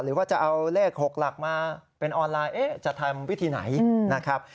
หรือว่าจะเอาเลข๖หลักมาเป็นออนไลน์จะทำวิธีไหนนะครับ